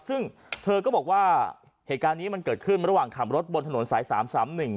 ซึ่งเธอก็บอกว่าเหตุการณ์นี้มันเกิดขึ้นระหว่างขับรถบนถนนสายสามสามหนึ่ง